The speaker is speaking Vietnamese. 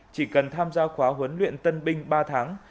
chỉ cần tham gia khóa huấn luyện tân binh ba tháng